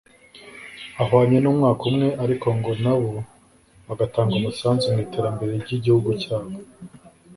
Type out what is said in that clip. ahwanye n’umwaka umwe ariko ngo nabo bagatanga umusanzu mu iterambere ry’igihugu cyabo